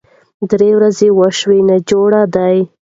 درې ورځې وشوې ناجوړه دی